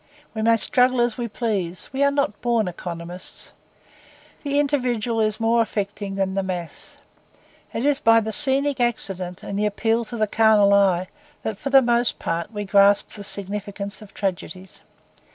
We may struggle as we please, we are not born economists. The individual is more affecting than the mass. It is by the scenic accidents, and the appeal to the carnal eye, that for the most part we grasp the significance of tragedies.